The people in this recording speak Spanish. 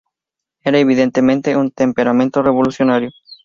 Era, evidentemente, un temperamento revolucionario.